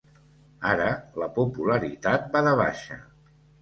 Ara la popularitat va de baixa.